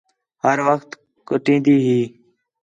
ہر وخت کُٹین٘دی ہِے